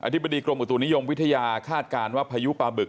ธิบดีกรมอุตุนิยมวิทยาคาดการณ์ว่าพายุปลาบึก